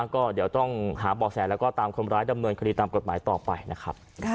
ก็เดี๋ยวต้องหาบ่อแสแล้วก็ตามคนร้ายดำเนินคดีตามกฎหมายต่อไปนะครับ